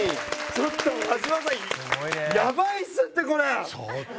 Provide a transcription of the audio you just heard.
ちょっと真島さんやばいですってこれ！